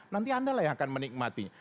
nanti anda lah yang akan menikmatinya